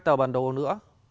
hai tờ bản đồ nữa